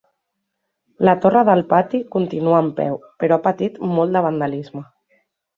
La torre del pati continua en peu, però ha patit molt de vandalisme.